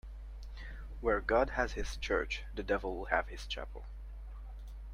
Where God has his church, the devil will have his chapel.